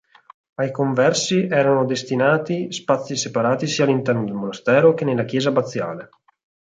Ai conversi erano destinati spazi separati sia all'interno del monastero che nella chiesa abbaziale.